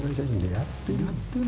やってる。